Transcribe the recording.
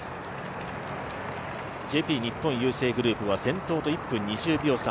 日本郵政グループは先頭と１分２０秒差。